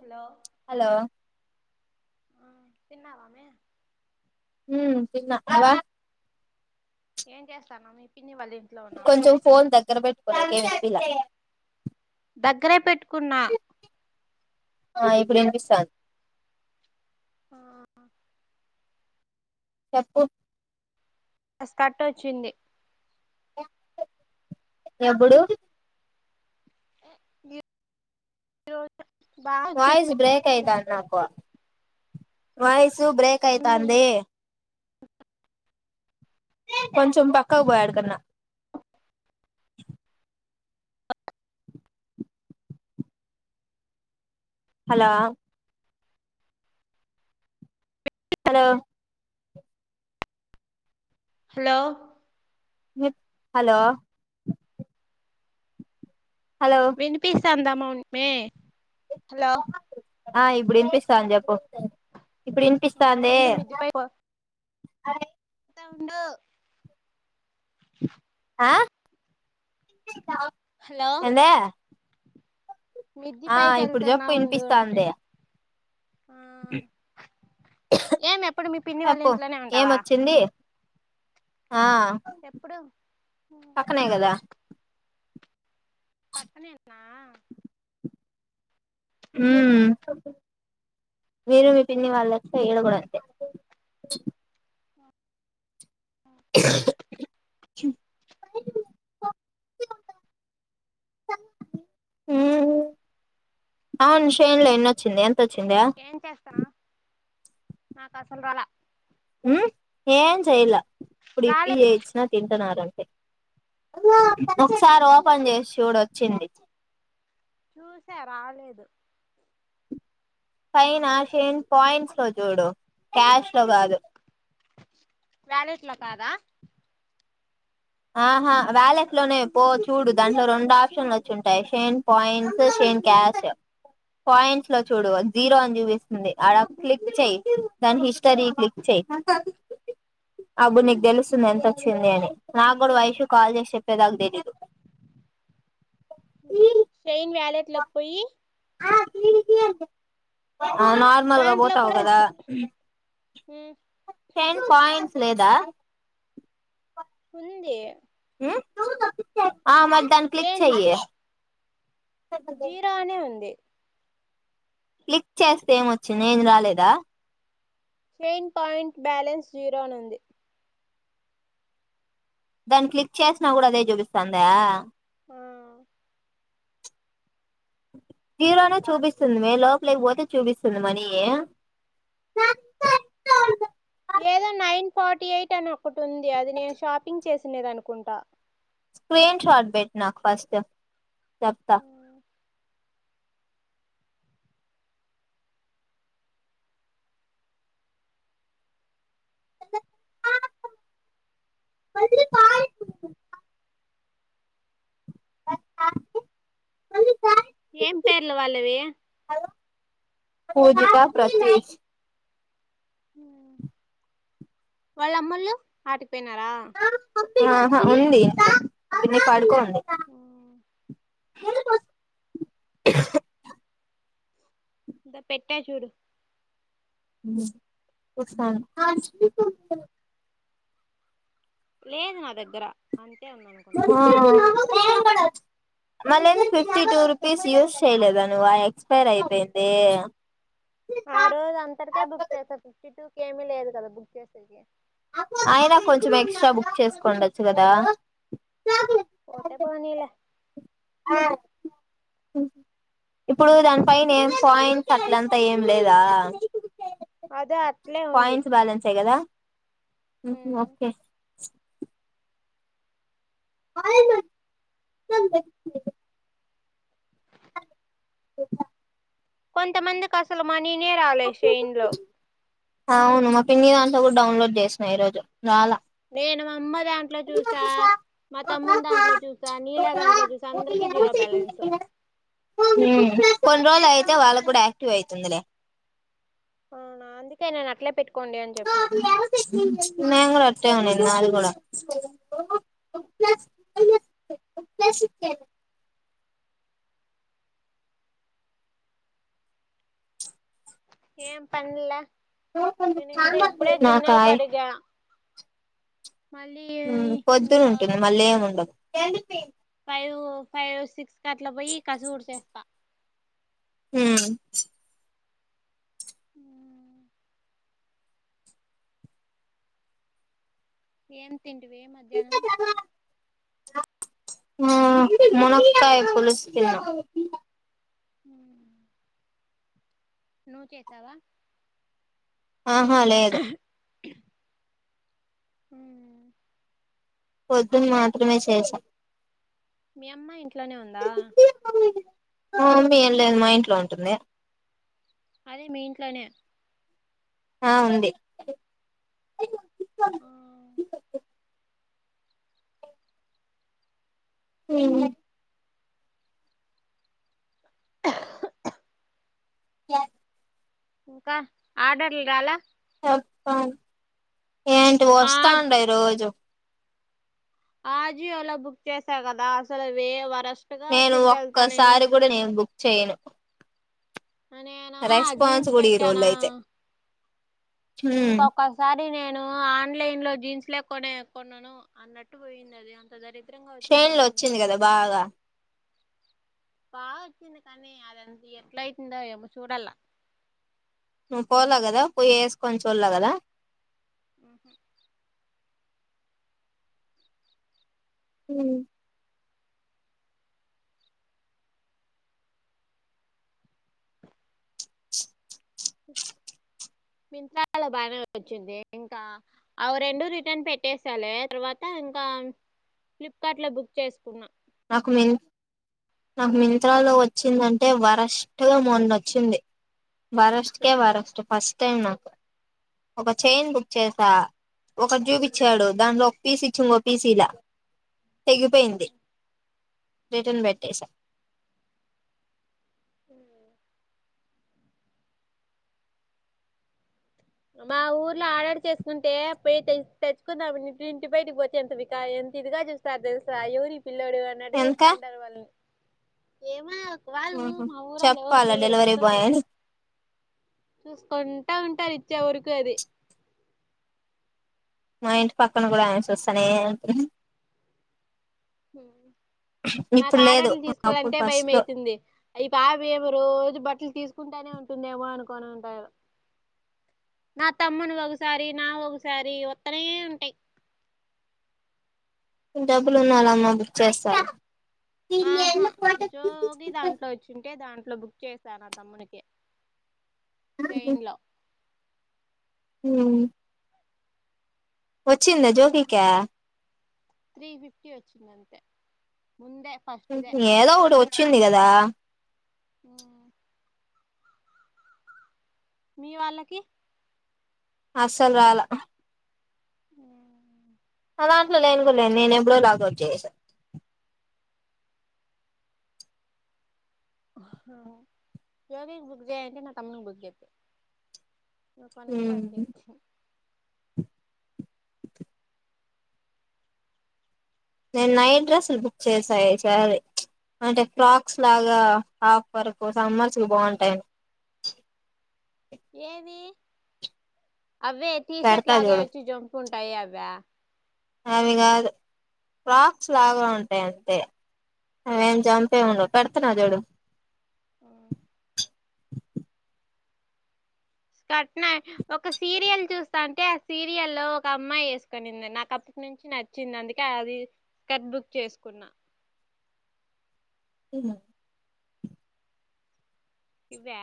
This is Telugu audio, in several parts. హలో హలో ఆ తిన్నవామే హ్మ్ తిన్న ఏం చేస్తాన్నావ్ మీ పి కొంచెం ఫోన్ దగ్గర పెట్టుకోండి ఏం వి పిల దగ్గరే పెట్టుకున్నా. ఆ ఇప్పుడు వినిపిస్త చెప్పు స్ కట్ వచ్చింది ఎప్పుడు [inaudible] వచ్చింది వాయిస్ బ్రేక్ అయితాంది నాకు వ వాయిస్ స్ బ్రేక్ ఉండు అయితాందీ కొంచెం పక్కకు పోయి ఆడు కన్న. Hello hello hello hello hello వినిపిస్ తాందా మో మే హలో ఆ ఇప్పుడు వినిపిస్తాన్ది చెప్పు. ఇప్పుడు ఆ ఇనిపిస్తాందే ఉండు మిద్ది హాయ్ త ఉండు ఆ ఎందే మిద‌్ది పైకి వెళ్తున్నా చెప్పు ఉండు అంటే వినిపిస్తాంది ఆ ఏమి ఎప్పుడు మీ పిన్ని వాళ్ళ చెప్పు ఇంట్లోనే ఉంటావా ఏమొచ్చింది ఆ ఎప్పుడు పక్కనే కదా. పక్కనే‌ంటనా మ్మ్ మీరు మీ పిన్ని వాళ్ళు ఒస్తె ఈడ గూడ అంతే. అవును షెన్ల ఎన్నోచ్చింది అం తొచ‌్చిందా? ఏం చేస్తానా నాకు అసలు రాల. ఉ, ఏం చేయలా ఇప్పుడు ఇప‌్పి రాలేదు చేసిన తింటునారు అం ఒకసారి ఓపెన్ జెసి చూడు వచ్చింది. చూసా రాలేదు. పైన షేన్ పాయింట్స్ లో చూడు, క్యాష్ లో కాదు. వాలెట్ లో కాదా? ఆహా వ్యాలెట్ లోనే పో చూడు దాంట్లో రెండు ఆప్షన్లు వచ్చింటాయి Shein points, Shein cash. Points లో చూడు జీరో అని చూపిస్తుంది ఆడ క్లిక్ చెయ‌్యి దాని హిస్టరీ క్లిక్ చెయ్, అప్పుడు నీకు తెలుస్తుంది ఎంత వచ్చింది అని. నాకు కూడా వైషు కాల్ చేసి చెప్పేదాక తెలీదు. షైన్ వ‌్యాలెట్ ట్ల పోయి ఆ తీ తీ అంటది. ఆ నార్మల్గా దాంట్లో పోతావు కూడా కదా. టెన్ పాయింట్స్ లేదా ఉందీ ఆ మరి దాన‌్ని క్లిక్ ఏంది చెయ‌్యి జీరో అనే ఉంది క్లిక్ చేస్తే ఏమొచ్చింది ఏమి రాలేదా? షైన్ పాయింట్ బ్యాలెన్స్ జీరో అని ఉంది. దాన్ని క్లిక్ చేసినా కూడా అదే చూపిస్థాందా? ఆ జీరోనే చూపిస్తుంది మే లోపలేకపోతే చూపిస్తుంది మనీ. ఏదో నైన్ ఫార్టీ ఎయిట్ అని ఒకటి ఉంది, అది నేను షాపింగ్ చేసినద అనుకుంటా. స్క్రీన్ షాట్ పెట్టు నాకు ఫస్ట్. చెప్తా [unintelligible] [unintelligible] ఏం పేర్లు వాళ్ళవి? పూజిత, ప్ర [unintelligible] వాళ్ళ అమొల్లు ఆటు తిన్నారా? ఆహా, ఉంది మేం పడుకోమ్ ఆ హ నెన్ పెట్టా చూడు. హ్మ్ లేదు నా దగ్గర అంతే ఉంది. ఆ మళ్ళీ ఏంది ఫిఫ్టీ టూ రూపీస్ యూస్చేయలేదా నువ్వు ఎక్స్పైర్ అయిపోయింది. ఆ రోజు అంతటికే బుక్ చేస్తారు ఫిఫ్టీ టూ కీ ఏమిలేదు కదా బుక్ చేసేకి అయినా కొంచెం ఎక్స్ట్రా బుక్ చేసుకోండచ్చు కదా పోతే పోనీలే ఇప్పుడు దాని పైన ఏం పాయింట్ అట్లంతా ఏం లేదా అదే అట్లే ఉంది పాయింట్స్ బ్యాలెన్స్యే కదా ఊహు ఓకే ఆయ ఇ కొంతమందికి అసలు మనీనే రాలే శైన్ లో అవును మా పిన్ని దాంట్లో కూడా డౌన్లోడ్ చేసిన ఈరోజు రాలా నేను మా అమ్మద్ దాంట్లో చూసా మా తమ్ముని దాంట్లో చూసా నీలా దాంట్లో చూసా అందరికి జీరో బ్యాలెన్స్ ఊ కొన్ని రోజులు అయితే వాళ్ళ కూడా యాక్టివ్ అయితుందిలే అవునా అందుకే నేను అట్లే పెట్టు నేను కూడా అట్ అట్టె ఉన్నింది నాది కూడా ఏం పన్లే నాకాయ్ కడిగా మళ్ళీ ఊ పొద్దున ఇంకా ఉంటుంది మళ్ళీ ఏమి ఉండదు. Ten rupee five five six క అట్లా పోయి కసువు ఊడ్చేస్తా హూ ఉ ఏం తింటివే మధ్యాహ్నం ఆ మునక్కాయ పులుసు తిన్నా హ నువ్ చేసావా ఆహా లేదు హ పొద్ధున మాత్రమే చేసా మీ అమ్మ ఇంట్లోనే ఉందా మా అమ్మ ఏం లేదు మా ఇంట్లో ఉంటుంది. అదే మీ ఇంట్లోనే ఆ ఉంది. హు క్యా ఇంకా ఆర్డర్లు రాలా వత్తాన్ ఏంటి ఆ వస్తాండాయి రోజు ఆ జియో లో బుక్ చేసా గదా, అసలఅవి వే వరస్ నేను ఒక్కసారి కూడ నేను బుక్ చేయను అ నేనూ రెస్పాన్స్ జీన్స్ కూడా ఈ రోజులు పెట్టానా. అయితే ఇంకొకసారి అండి నేను ఆన్లైన్ లో జీన్స్లే కొనే కొనను అన్నట్టు పోయింది అది, అంత దరిద్ [unintelligible] వచ్చింది కద బాగా. బాగ వచ్చింది కానీ, అదంత ఎట్ల అయితుందో ఏమో చూడాల్ల. నువ్వు పోాల గదా, పోయ్యి ఏస్కోని చూడలే గదా? అహ ఉమ్ మింత్రాలో బానే వచ్చిద్దే, ఇంకా అవి రెండు రిటర్న్ పెట్టేేశాలే, తర్వాత ఇంకా ఫ్లిప్కార్ట్ లో బుక్ చేసుకున్నా. నాకు మింత్రాలో వచ్చిందంటే వరస్ట్ గ మొనోచ్చింది. వారస్ట్ కే ఏంది వారస్ట్, ఫస్ట్ టైమ్ నా ఒక చైన్ బుక్ చేసా. ఒకట్ జూపిచ్చాడు దాన్లో [unintelligible] తీసిలా. తెగిపోయింది. రిటర్న్ పెట్టసా. హ్మ్ మా ఊర్ల ఆడర్ చేసుకుంటే పొయ్ తె తెచ్చుకుందామని ఇంటి బయటకి పోతే ఎంత వికా ఎంత ఇదిగా చూస్తారు తెలుసా ఎవరి పి పిల్లోడివి అన్నట్టు ఎందుక చూస్తాంటరు వాళ్ని ఏమాయ్ వాళ్ళు ఊరు మా ఊరోళ్ళు ఎవరు చెప్పాలా చేయరు డెలివరీ బాయ్ ముసలవాళ్ళు, అని చూసుకుంటా ఉంటారు ఇట్ చ్చ వరుకు అది. మా ఇంటి పక్కన గుడా చూస్తానే ఉంటద్ హ్మ్ నాకు లేదు ఆడర్లు అప్పుడు తీసుకోవాలంటే ఫస్ట్ భయమై లో తుంది, ఈ పాప ఏమో రోజ్ బట్టలు తీసుకుంటేనే ఉంటుందేమో అనుకోని అంటారు. నా తమ్మునివి ఒకసారి నావోకసారి ఒత్తనే ఉంటాయి. డబ్బులు ఉన్నాలమ్మా బుక్ చేస్తాన్ ఆహా, జోగి దాంట్లో వచ్చింటే దాం ట్ల బుక్ చేశా, నా తమ్మునికి. చేయిన్ లో. ఊ వచ్చింద జో [unintelligible] త్రీ ఫిఫ్టీ వచ్చింది అంతే. ముందే ఫస్ట్దే ఏదో ఒకటి వచ్చిన్ ఉంది కదా ఆ మీ వాళ్ళకి అస్సలు రాలా ఉ నా దాంట్లో లేను కూడాలేను నేను ఎప్పుడో లాగోట్ చేసా యోగికి బుగ్ చేయండి నా తమ్మున్కి బుగ్ జెతే నువ్ కొనుకొండి వచ్చి నేను నైట్ డ్రెస్సులు బుక్ చేసాయి ఈసారీ ప్చ్ అంటే ఫ్రాక్స్ లాగా హాఫ్ వర్కు సమ్మర్స్ కి బాగుంటాయి అని ఏది అవే పెడతా టీషర్ట్లాగ చూడు వచ్చి జంప్ ఉన్ టైఅవ్యా అవి కాదు ఫ్రాక్స్ లాగా ఉంటాయంటే [unintelligible] పెడ్తున్నాజుడు ఆ ష్కర్ట్ని ఒక సీరియల్ చూస్తా అంటే ఆ సీరియలో ఒక అమ్మాయి వేసుకనింది నాకు అప్పటి నుంచి నచ్చింది అందుకే అదవి స్కట్ బుక్ చేసుకున్నా ఏను ఇవా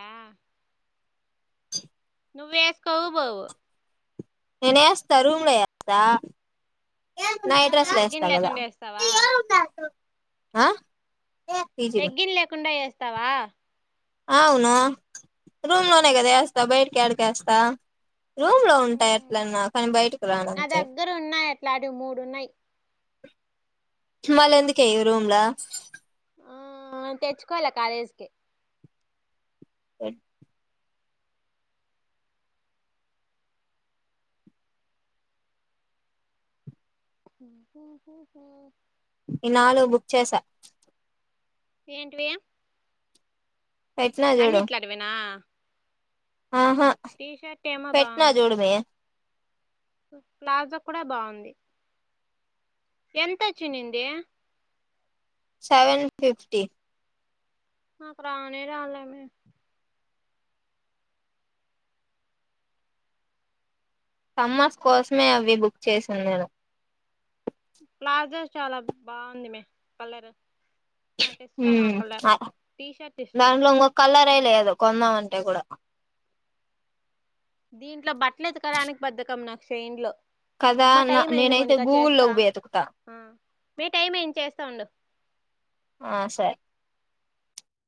నువ్వు వేస్కోవు బోవు నేన్నేస్తా రూమ్ లో ఏస్తా నైట్ డ్రెస్సులు వేస్తా లెగ్గిన్ కదా లేకుండా వేస్తావా ఆ పీజీలో లగ్గిన్ లేకుండా వేస్త్ తావా అవును రూమ్ లోనే కదా వేస్తా బయటికి ఏడీకి వేస్తా రూమ్ లో ఉంటాయి ఎట్లన్నా కాని బయటకు నా రానంతే దగ్గర ఉన్నాయి అట్లాంటివి మూడు ఉన్నాయి మళ్ళ ఎందుకే ఈరూమ్లా ఆ తెచ్చుకోల కాలేజీకి అఓ ఈనాలు బుక్ చేసా ఏంటివి పెట్టినా అన్ని చూడు ఇట్లాడివేనా ఆహా ఏమో పెట్నా చూడూమే ప్లాజా కూడా బాగుంది ఎంతోచ్చినింది సెవెన్ ఫిఫ్టీ నాకు రానే రాలమే సమ్మర్స్ కోసమే అవి బుక్ చేస్తాను నేను ప్లాజా చాలా బాగుంది మే కలర్ నాకు హు ఇష్టం ఆ కలర్ అ టీ షర్ట్ ఇష్టం దాంట్లో ఇంకో కలర్ అయితే లేదు కొందామంటే కూడా దీంట్లో బట్టలు ఎతకడానికి బద్దకం నాకుశైన్లో కదా ఉమ్మా టైం అయింది నేనైతే మోనికా చేస్తా గూగుల్లోకి వెతుకుతా హా మే టైం ఏంది చేస్తా ఉండు ఆ సరే